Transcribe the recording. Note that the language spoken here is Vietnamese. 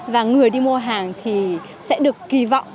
và người đi mua hàng thì sẽ được kỳ vọng